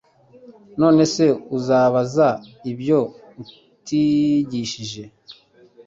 None se uzabaza ibyo utigishije?